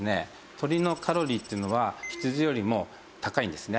鶏のカロリーっていうのは羊よりも高いんですね。